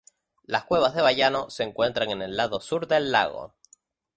Las cuevas de Bayano se encuentran en el lado sur del lago.